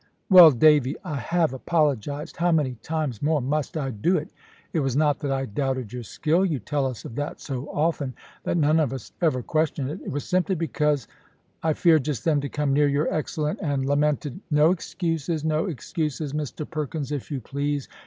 "Well, Davy, I have apologised. How many times more must I do it? It was not that I doubted your skill. You tell us of that so often, that none of us ever question it. It was simply because I feared just then to come near your excellent and lamented " "No excuses, no excuses, Mr Perkins, if you please!